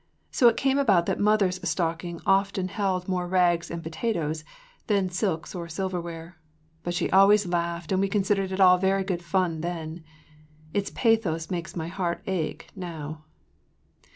So it came about that mother’s stocking often held more rags and potatoes than silks or silverware. But she always laughed and we considered it all very good fun then. Its pathos makes my heart ache now.